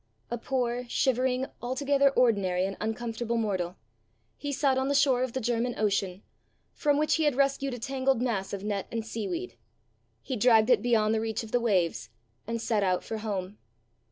A poor, shivering, altogether ordinary and uncomfortable mortal, he sat on the shore of the German Ocean, from which he had rescued a tangled mass of net and seaweed! He dragged it beyond the reach of the waves, and set out for home.